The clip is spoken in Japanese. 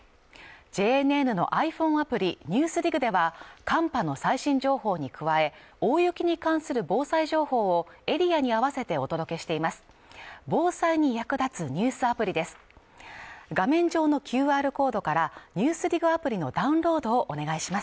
ＪＮＮのｉＰｈｏｎｅアプリ「ＮＥＷＳＤＩＧ」では寒波の最新情報に加え大雪に関する防災情報をエリアに合わせてお届けしています